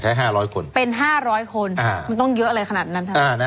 ใช้ห้าร้อยคนเป็นห้าร้อยคนอ่ามันต้องเยอะเลยขนาดนั้นอ่า